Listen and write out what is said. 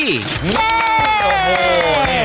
เย้